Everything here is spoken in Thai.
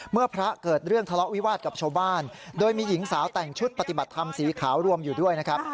เมื่อพระเกิดเรื่องทะเลาะวิวาสกับชาวบ้านโดยมีหญิงสาวแต่งชุดปฏิบัติธรรมสีขาวรวมอยู่ด้วยนะครับ